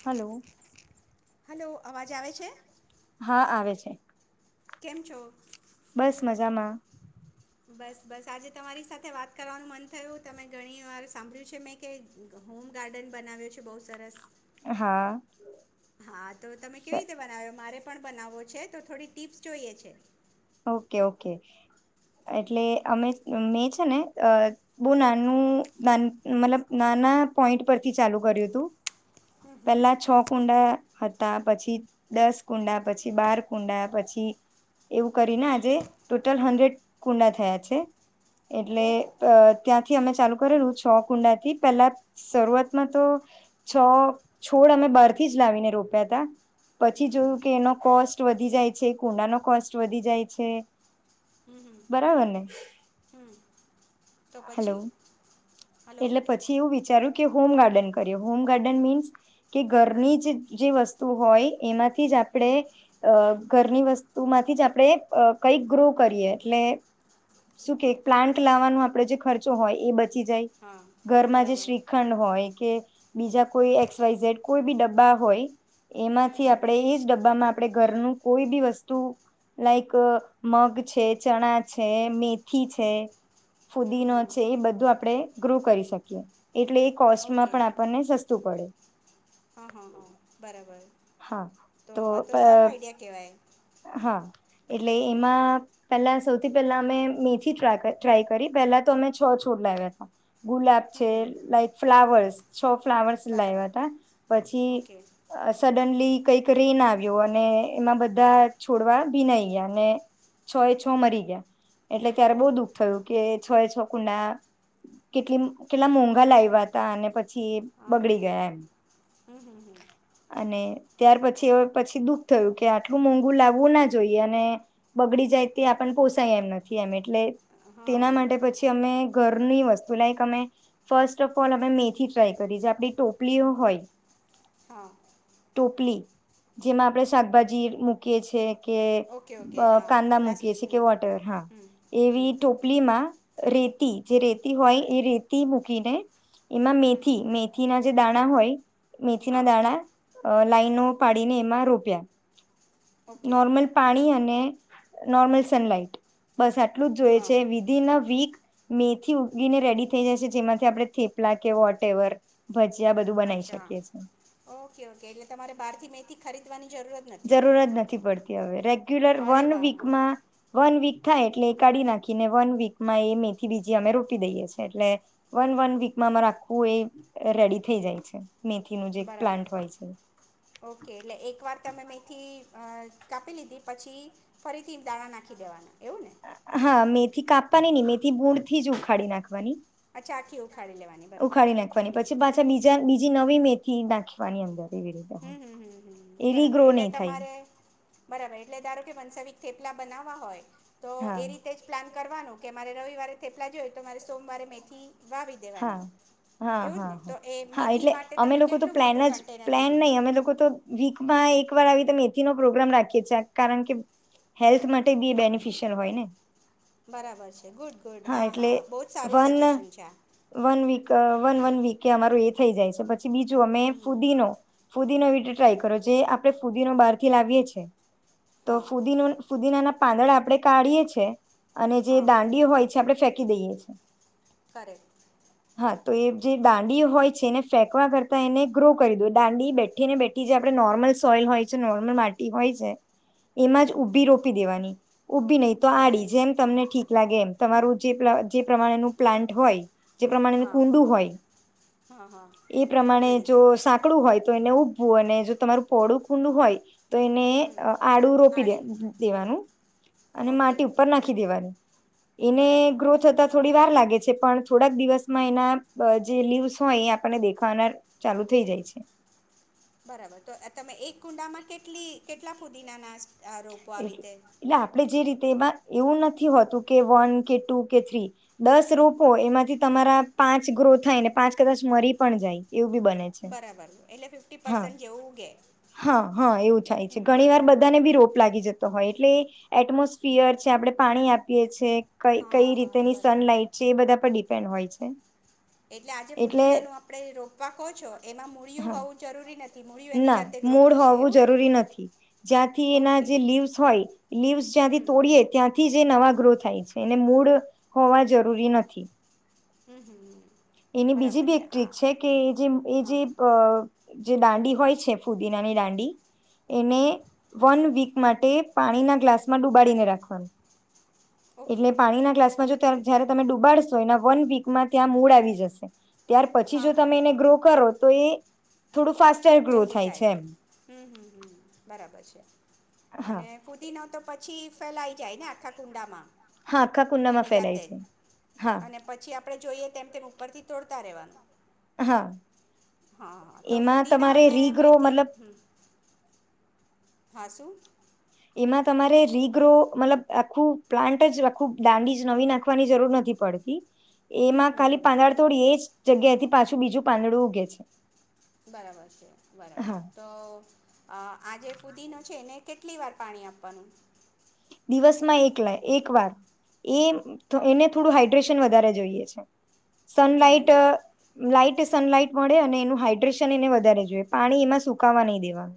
Hello hello અવાજ વાજ આવે છે આવે હા કેમ છો બસ મજામાં બસ બસ આજે તમારી સાથે વાત કરવાનું મન થયું તમે ઘણી વાર સાંભળ્યું છે મેં કે હોમ ગાર્ડન બનાવ્યો છે બહુ સરસ હા હા તો તમે કેવી રીતે બનાવ્યો મારે પણ બનાવવો છે તો થોડી ટીપ્સ જોઈએ છે ઓકે ઓકે એટલે અમે મેં છે ને બહુ નાનું મતલબ નાના પોઈન્ટ પરથી ચાલુ કર્યું હતું હમ પે હમ લા છો કુંડા હતા પછી દસ કુંડા પછી બાર કુંડા પછી એવું કરીને આજે ટોટલ હંડ્રેડ કુંડા થયા છે એટલે ઓહો ત્યાંથી અમે ચાલુ કરેલું છ કુંડાથી પેલા શરૂઆતમાં તો છ છોડ અમે બાર થી જ લાવીને રોપ્યા ત પછી જોયું કે એનો કોસ્ટ વધી જાય છે કુંડાનો કોસ્ટ વધ જાય છે હમ હમ બરાબરને હમ તો પછી હલો એટલે પછી એવું વિચાર્યું કે હોમ ગાર્ડન કરીએ હોમ ગાર્ડન મીન્સ કે ઘરની જ જે વસ્તુ હોય એમાંથી જ હમ આપણે ઘરની વસ્તુમાંથી જ આપણે કઈક ગ્રો કરીએ એટલે શું કે પ્લાન્ટ લાવવાનો આપણે જે ખર્ચો હોય એ બચી જાય હા ઘરમાં જે બરાબર શ્રીખંડ હોય કે બીજા કોઈ એક્સ વાઈ ઝેડ કોઈ બી ડબ્બા હોય હમ એમાંથી હમ આપણે એજ ડબ્બામાં આપણે ઘરનું કોઈ બી વસ્તુ લાઈક મગ છે ચણા છે મેથી છે હમ ફુદીનો હમ છે એ બધું આપણે ગ્રુ કરી શકીએ. એટલે એ કોસ્ટમાં ઓકે પણ આપણને સસ્તું પડે. હા હા હા બરાબર. હા તો આ તો પ સારું આઈડિયા કેવાય. હા એટલે એમાં પેલા સૌથી પહેલા અમે મેથી ટ્રાય કરી પહેલા તો અમે છ છોડ લાવ્યા હતા ગુલાબ હમ છે હમ લાઈક ફ્લાવર્સ છ. ફ્લાવર્સ બરાબર લાવ્યા હતા ઓકે પછી સડનલી કઈક રહીને આવ્યો અને એમાં બધા છોડવા ભીનાઈ ગયા અને છ એ છ મરી ગયા એટલે ત્યારે બહુ ઓ દુઃખ થયું કે છ છ કુંડા કેટલી કેટલા મોંઘા લાવ્યા ત અને પછી હા હા બગડી ગયા એમ હમ હમ અને ત્યાર પછી પછી દુઃખ થયું કે આટલું મોઘ કુ લાવવું ના જોઈએ અને બગડી જાય તે આપ પોસાય એમ નથી એમ એટલે હમ હા તેના માટે પછી અમે ઘરની વસ્તુ લાઈક અમે ફસ્ટ ઓફ ઓલ અમે મેથી ટ્રાય કરી આપણી ટોપલીઓ હોય હા. લી જેમાં આપણે શાકભાજી મુ ક છે. કે ઓકે ઓકે હા કાંદા મૂકીએ કે પ્લાસ્ટિકની વોટર હા હમ હમ એવી ટોપલીમાં. રેતી જે રેતી હોય એ રેતી મૂકીને એમાં હમ મેથી મેથીના જે દાણા હોય. મિથિના હા દાણા. અ લાાઈનો પાડીને એમાં રોપ્યા. ઓકે નોર્મલ પાણી એ ને નોર્મલ સનલાઈટ, બસ આટલું જ જોઈએ હા છે વિધન અ વીક મેથી ઉગીને રેડી થઈ જાય છે, જેમાંથી આપણે થેપલા કે વોટ એવર, ભ અચ્છા, ઓકે ઓકે એટલે તમારે બહારથી મેથી ખરીદ જરૂરત નથી પડતી, હવે રેગ્યુલર અરે વન વાહ વાહ વીકમાં વન વીક. થાય એટલે એ કાઢી નાખીને વન વીકમાં એ મેથી બીજી અમે રોપી દઈએ છીએ, એટલે વન વન વીકમાં અમારે આખું એ રેડી થઈ જાય છે. મેથીનું જે બરાબર, પ્લાન્ટ હોય છે ઓકે એટલે એક વાર તમે મે થી કાપી લીધી પછી, ફરીથી દાણા નાખી દેવાના એવું? ને હા મેથી કાપવાની ની મેથી ભુડથી જ ઉખાડી નાખવાની. અચ્છા આખી ઉખાડી લેવાની બરાબર ઉખાડી નાખવાની હમ. પછી પાછા બીજા નવી મેથી નાખવાની અંદર. એવી રીતે હમ હમમ એ બરાબર રીગ્રો એટલે નહી થાય તમારે, બરાબર એટલે ધારો કે વનસવ થેપલા બનાવવા હોય. તો એ હા રીતે જ પ્લાન કરવાનું કે મારે રવિવારે થેપલા જોય તો મારે સોમવારે મેથી. વાવી હા દેવાની, હા એવું હા જ ને તો હા એ હા મેથી એટલે માટે તમે કેટલું મોટું કન્ટેનર લીધું? હું તો વીકમાં એક વાર આવી રીતે મેથી નો પ્રોગ્રામ રાખીએ છીએ, કારણ કે હેલ્થ માટે બી બેનિફિશિયલ હોય ને. બરાબર છે, ગુડ ગુડ હા હા બહુ જ સારું વન સજેશન છે આ. One week one one week કે અમારુ એ થઈ જાય છે બટ. ચીજોમે હમ ફુદીણો! ફુદીણો રીતે હમ ટ્રાય હમ કરો જે આપણે ફુદીનો બારથી લાવીએ છીએ. તો હા ફુદીનનો ફુદીનના પાંદડાં આપણે કાઢીએ છીએ. અને જે હા દાંડી હોય છે, આપડે ફેક. ફેકી દઈએ છે. કરે. હા, તો એ જે દાંડી હોય છે, એને ફેંકવા કરતા એને ગ્રો કરી દો દાંડી બેઠી ને બેઠી જે આપણે નોર્મલ સોઇલ હોય છે, નોર્મલ માટી હોય છે. એમાં હમ જ ઊભી રોપી દેવાની. ઊભી નહીિ તો આડી બરાબર જેમ તમને ઠીક લાગે એમ. તમારું જે પ્રપ્રમાણેનું પ્લાન્ટ હોય. જે પ્રમાણેનું હા કુંડું હોય હા હા એ પ્રમાણે જો સાંકડું હોય તો એને. ભૂ ને જો તમારું પોળું કુંડું હોય. તો એને હમ આડું રોપી દે આડી દેવાનું અને ઓકે માટી ઉપર નાખી દેવાની એને બરાબર ગ્રોથ થતા થોડી વાર લાગે. છે પણ થોડાક દિવસમાં એના જે લીવ્સ હોય એ આપણને દેખાવાના ચાલુ થઈ જાય છે. બરાબર તો તમે એક કુંડામાં કેટલી કેટલા ફુદીના નાશ એટ એટલે આપડે જે રીતે તેમાં એવું નથી હોતું કે વન કે ટુ કે થ્રી દસ રોપો એમાંથી તમારા પાંચ ગ્રો થાય ને પાંચ કદાચ મરી પણ જાય એવું. એવું ભી બને છે બરાબર એટલે ફિફ્ટી હા પર્સન્ટ જેવું ઉગે હા હ એવું થાય છે હમ ઘણી વાર હમ. બધાને બી રો હોય એટલે એટમોસ્ફિયર છે આપણે પાણી આપીએ છીએ કઇ હા હા કઈ હા રીતેની બરાબર સનલાઈટ છે એ બધા પર ડી ડિપેન્ડ હોય છે. એટલે આજે એટલે ફુદીનાનું આપડે રોપવા કહો છો એમાં મૂળિયું હા હોવું જરૂરી નથી. મૂળિયું એની ના જાતે ગ્રો મૂળ થશે હોવું એવું ને જરૂરી નથી, જ્યાંથી એના ઓકે જે લીવ્સ હોય લીવ્સ જ્યાંથી હમ હમ તોડીએ ત્યાંથી જે નવા ગ્રો થાય છે અને મૂળ હોવા જરૂરી નથી. હમ્મ. હમ્મ. એની બીજી બી એક ટ્રીક છે કે જે એ હા જે અ જે દાંડી હોય છે ફુદીનાની દાંડી એને હમ વન વીક માટે પાણીના ગ્લાસ માં ડુબાડીને રાખવાનું. ઓકે એટલે પાણીના ગ્લાસમાં જો જયારે તમે ડુબાડશો એના વન વીકમાં ત્યાં મૂળ આવી જશે. ત્યાર પછી હા જો હા તમે એને ગ્રો કરો તો એ થોડું ફાસ્ટર ગ્રો જલ્દી થાય છે એમ હમ્મ હમ્મ બરાબર છે હા અને ફૂદીનો તો પછી પછી ફેલાઈ જાય ને આખા કુંડામાં. હા આખા કુંડામાં એની જાતે ફેલાય જ છે. હા. અને પછી આપણે જોઈએ તેમ તેમ ઉપરથી તોડતા રહેવાનું હા એમાં ફૂદીના તમારે અને રીગ્રો મેથી મતલબ હા શુ? એમાં તમારે રીગ્રો મતલબ આખું પ્લાન્ટ જ આખું દાંડી જ નવી નાખવાની જરૂર નથી પડતી હમ એમાં હમ ખાલી હમ પાંદડા થોડી એજ જગ્યા થી પાછું બીજું પાંદડું ઉગે છે. બરાબર છે બરાબર હા તો આજે ફુદીનો છે ને કેટલી વાર પાણી આપવાનું દિવસમાં એક એક વાર એ ઓકે એને થોડું હાાઈડ્રેશન વધારે છે. જોઈએ છ. Sunlight ફુદીનાને light. સનલાઈટ મળે અને એનું હાઈડ્રેશન એને વધારે જોઈએ પાણી એમાં સુકાવા નહીં દેવા.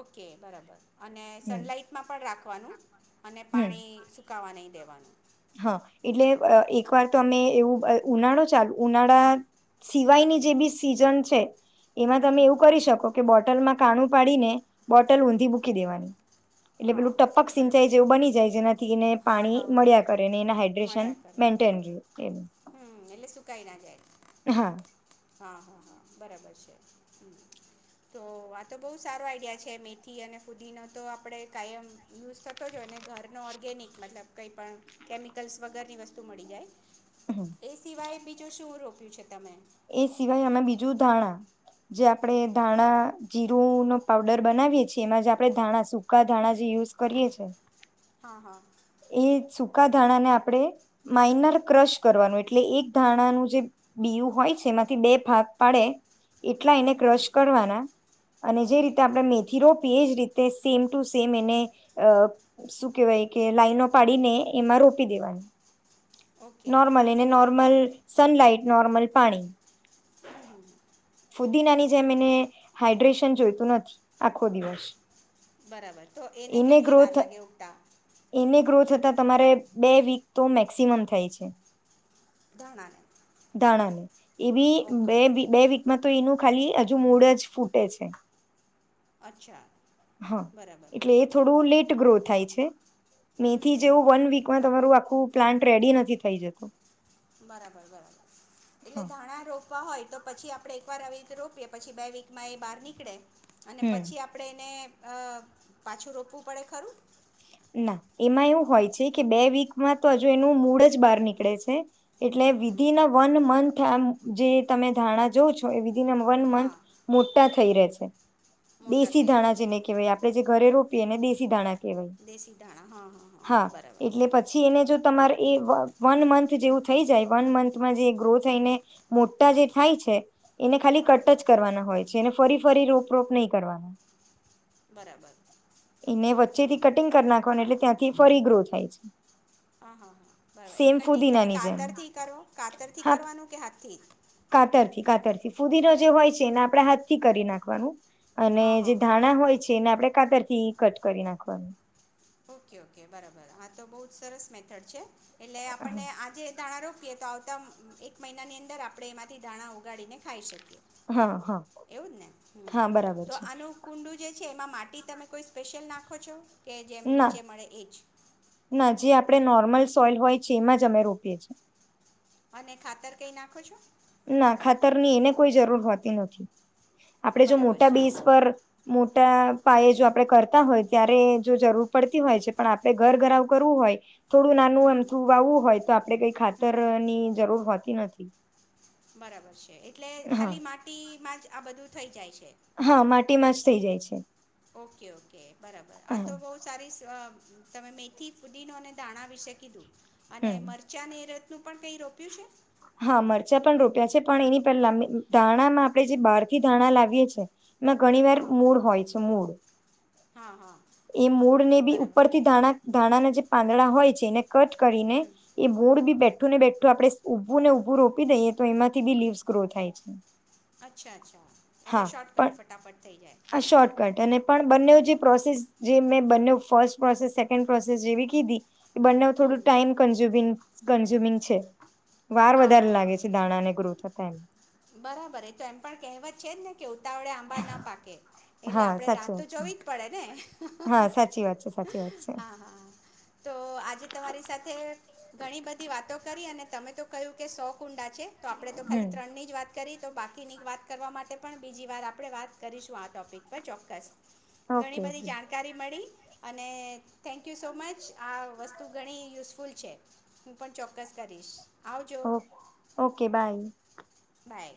ઓકે બરાબર અને સનલાઈટમાં પણ રાખો. વાનું. અને હમ પાણી સુકાવા નહી દેવા. [unintelligible] હા એટલે બઅ એક વાર તો અમે એવું અ ઉનાળો ચાલ ઉનાળા સિવાયની જે બી સીઝન છે એમાં હમ તમે એવું કરી શકો કે બોટ બોટલમાં કાણું પાડીને, બોટલ ઊંધી મૂકી દેવાની. એટલે હા પેલું ટપક બરાબર સિંચાઈ જેવું બની જાય જેનાથી એને હા પાણી હા હા. મળ્યા ક ને એને હાઇડ્રેશન મળ્યા કરે મેન્ટેન રહ્યું કે, હમ એટલે સુકાઈ ના જાય હા. હા હા હા બરાબર છે. હમ્મ તો આ તો બહુ સારો આઈડિયા છે મેથી અને ફુદીનો તો આપણે કાયમ યુઝ થતો જઈ અને ઘરનો ઓર્ગેનિક મતલબ કંઈ પણ કેમિકલ્સ વગરની વસ્તુ મળી જાય. હમ એ સિવાય બી. જ શું રોક્યું છે તમે. એ સિવાય આમે બીજું ધાણા જે આપણેે ધાણા જીરું નો પાવડર બનાવીએ છીએ એમાં જે આપણે ધાણા સકા ધાણા જે યુઝ કરીએ છે. હા હા એ સૂકા ધાણાને આપણે માઈનર ક્રશ કરવાનું એટલે એક ધાણાનું જે બીયું હોય છે એમાંથી બે ભાગ પાડે. એટલા એને હમ હમ ક્રશ કરવાના અને જે ઓકે રીતે આપણે મેથી રોપીએ એ જ રીત તે સેમ ટુ સેમ એને, અ શું કેહેવાય કે લાઈનો પાડીને એમાં રોપી દેવાની. ઓકે નોર્મલ એને બરાબર નોર્મલ સનલાઈટ. નોર્મલ પાણી. હમ હમ ફુદીનાની. જે મને હાઈડ્રેશન જોઈતું નથી આખો દિવસ. બરાબર તો એને કેટલી વાર લાગે ઉગતા? એને ગ્રો થતા તમારે બે વીક તો મેક્સિમમ થાય. છે. [unintelligible] દાણામો એ બી ઓકે બે-બે વીકમાં. તો એનું ખાલી હજુ મૂળ જ ફૂટે છે. અચ્છા. હા બરાબર એટલે એ થોડું લેટ ગ્રોથ થાય છે. હમ મેથી હમ હમ જેવું વન વિકમાં તમારું આપ હું પ્લાન્ટ રેડી નથી થઈ જતો. હમ બરાબર. એટલે હા ધાણા રોપવા હોય તો પછી આપડે એક વાર આવી રીતે રોપીએ પછી બે વિકમાં એ બહાર નીકડે અને હમ પછી આપણેે એને અહ પાછું રોપવું પડે ખરું? ના એમાં એવું હોય છે કે બે વિકમાં તો હજુ એનું મૂળ જ બહાર નીકળે છે એટલે હમ હમ હમ. વિધિન વન મંથ આ જે તમે ધારણા જોવ છો એવી. એને વન મથ હા મોટા થઈ રહે છે. મોટા દેશી થઈ રહે ધાણા જેને કેવાય આપડણે જે ઘરે રો એને દેશી ધાણા કહેવાય. દેશી ધાણા હ, હ, હ, હા બરાબર. એટલે પછી એને જો તમારે એ વ વન મંથ જેવું થઈ જાય વન મંથમાં જે ગ્રો થઈને મોટા જે થાય છે એને ખાલી હા કટ જ કરવાના હોય. છે એને ફરી ફરી રોપ રોપ નહીં કરવાનો. બરાબર હ. નાખવાના એટલે ત્યાંથી ફરી ગ્રો થાય છે. હા-હા બરાબર, એ સેમ કટિંગ તમે ફુદીનાની જેમ કાતર થી કરો, કાતર થી કરવાનું કે હાથથી? કાતરથી-કાતરથી, ફુદીનો જે હોય છે એને આપણે હાથથી કરી નાખવાનું. અને હા જે હા ધાણા હોય છે એને આપણે કાતરથી કટ કરી નાખવાનું. ઓકે ઓકે બરાબર હા તો બહુ જ સરસ મેથડ છે. એટલે આપણને આજે [unintelligible] એ તો આવતા એક મહિનાની અંદર આપણે એમાંથી ધાણા ઉગાડીને ખાઈ શકીએ હ હ એવું જ ને હમ હા હમ બરાબર તો છે. આનું કુંડું જે એમાં માટી તમે કોઈ સ્પેશિયલ નાખો છો કે?? જેમ નીચે ના મળે એ જ. ના જે આપણે નોર્મલ સોઇલ હોય છે એમાં જ અમે રોપીએ છીએ. અને ખાતર કઈ નાખો છો? ના, ખાતરની એને કોઈ જરૂર હોતી નથી. આપડે જો બરાબર મોટા છે બેઝ પર મોટા પાયે જો આપણે કરતા હોય ત્યારે જો જરૂર પડતી હોય છે પણ આપે ઘર ઘરાવ કરવું હોય... થોડું નાનું હમ એમથું વાવવું હોય તો આપડે કઈ હમ ખાતરની જરૂર હોતી નથી [inaudible] બરાબર છે. એટલે હા ખાલી માટી માં જ આ બધું. થઈ જાય છે. હા માટીમાં જ થઇ જાય છે. Okay okay. બરાબર આ હા તો બહુ સારી. તમે મેથી પુદીનો અને દાણા વિશે કીધું. અને હમ મરચાં ની ઋત નું પણ કંઈ રોપ્યું છે? હા મરચાં પણ રોપ્યા છે પણ એની પહેલા ધાણામાં આપણે જે બહારથી ધાણા લાવીએ છે. માં ઘણી વાર હા મૂળ હોય છે મૂળ. હા હા. એ મૂળ ને બી બરાબર ઉપર થી દાણા. ધાણાના જે પાંદડા હોય છે ને. કટ કરીને હમ એ બોર્ડ બી બેઠ બઠું ને બેઠું આપણે ઉઊભું ને ઉઊભું રોપી દઈએ તો એમાંથી બી લીવ્સ ગ્રો થાય છે. અચ્છા અચ્છા એટલે હા શોર્ટકટ પણ ફટાફટ થઈ આ શોર્ટકટ અને પણ બંને જાય. જે પ્રોસેસ જે મેં બંને ફર્સ્ટ પ્રોસેસ સેકન્ડ પ્રોસેસ જેવી કીધી. બંને થડું હમ ટાઈમ કંઝ્યુમિંગ. કન્ઝ્યુમિંગ છે. વાર હા વધારે હા લાગે હા છે દાણા ને ગ્રો થતા એમ. બરાબર એ તો એમ પણ કહેવત છે. જ ને કે ઉતાવળે આંબા ના પાકે એટલે હા આપડણે સાચી રાહતો વાત છે જોવી જ પડે ને હા સાચી વાત છે સાચી વાત છે હા હા તો આજે તમારી સાથે ઘણી બધી વાતો કરી અને તમે તો કહ્યું કે સો કુંડા છે. તો આપડે તો હમ ખાલી ત્રણ નહી તો બાકીની વાત કરવા માટે પણ બીજી વાર આપણે વાત કરીશું આ ટોપિક પર ચોક્કસ. ઘણી ઓકે બધી ઓકે જાણકારી મળી. અને થેન્કયુ સો મચ આ વસ્તુ ઘણી યુઝફુલ છે. હું પણ ચોક્કસ કરીશ. આવજો ઓ ઓકે બાય. બાય.